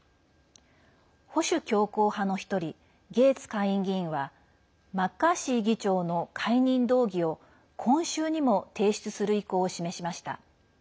保守強硬派の１人ゲーツ下院議員はマッカーシー議長の解任動議を今週にも提出する意向を示しました。